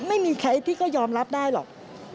ไม่มีใครพี่ก็ยอมรับได้หรอก